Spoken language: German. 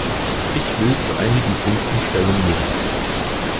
Ich will zu einigen Punkten Stellung nehmen.